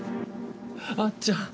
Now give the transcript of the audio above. あっちゃん。